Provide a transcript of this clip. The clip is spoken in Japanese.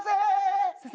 先生